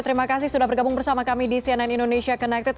terima kasih sudah bergabung bersama kami di cnn indonesia connected